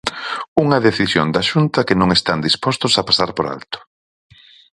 Unha decisión da Xunta que non están dispostos a pasar por alto.